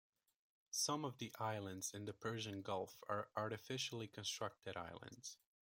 Some of the islands in the Persian Gulf are artificially constructed islands.